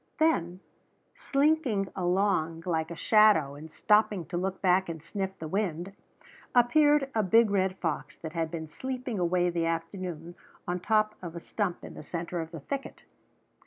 Then, slinking along like a shadow and stopping to look back and sniff the wind, appeared a big red fox that had been sleeping away the afternoon on top of a stump in the center of the thicket.